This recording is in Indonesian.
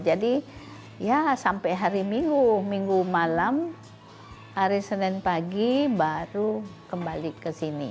jadi ya sampai hari minggu minggu malam hari senin pagi baru kembali ke sini